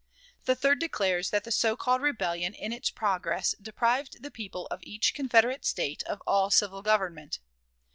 The third declares that the so called rebellion, in its progress, deprived the people of each Confederate State of all civil government.